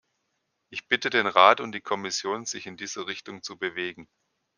Ich bitte den Rat und die Kommission, sich in dieser Richtung zu bewegen.